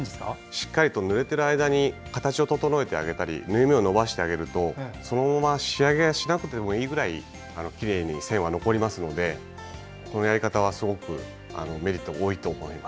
しっかりとぬれてる間に形を整えてあげたり縫い目を伸ばしてあげるとそのまま仕上げしなくてもいいくらいきれいに線は残りますのでこのやり方はすごくメリットが多いと思います。